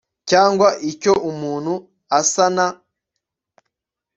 cyangwa icyo umuntu asa na